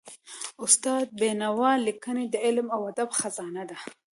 د استاد بینوا ليکني د علم او ادب خزانه ده.